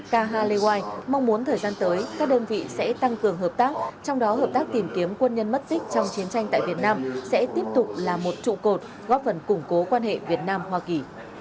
k haley mong muốn thời gian tới các đơn vị sẽ tăng cường hợp tác trong đó hợp tác tìm kiếm quân nhân mất tích trong chiến tranh tại việt nam sẽ tiếp tục là một trụ cột góp phần củng cố quan hệ việt nam hoa kỳ